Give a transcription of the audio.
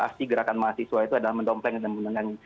aksi gerakan mahasiswa itu adalah mendompleng dan menenangi